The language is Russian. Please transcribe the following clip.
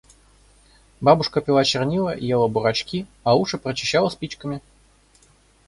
Бабушка пила чернила, ела бурачки, а уши прочищала спичками.